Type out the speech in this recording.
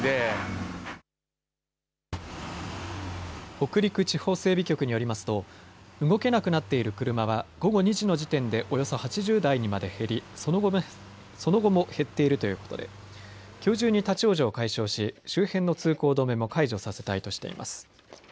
北陸地方整備局によりますと動けなくなっている車は午後２時の時点でおよそ８０台にまで減り、その後も減っているということできょう中に立往生を解消し周辺の通行止めも解除させたいとしています。